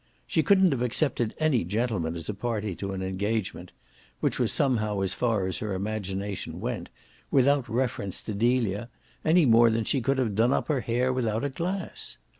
She couldn't have accepted any gentleman as a party to an engagement which was somehow as far as her imagination went without reference to Delia, any more than she could have done up her hair without a glass.